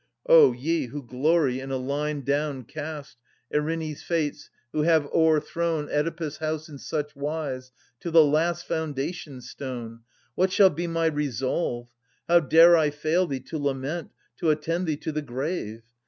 O ye who glory in a line down cast, Erinnys fates, who have o*erthrown Oedipus* house in such wise, to the last Foundation stone ! What shall be my resolve ?— how dare I £ail Thee to lament, to attend thee to the grave